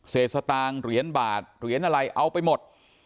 สตางค์เหรียญบาทเหรียญอะไรเอาไปหมด